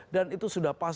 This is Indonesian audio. dan itu sudah paham